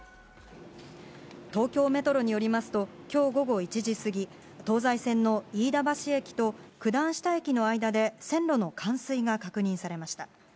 東京メトロによりますと、きょう午後１時過ぎ、東西線の飯田橋駅と九段下駅の間で、線路の冠水が確認されました。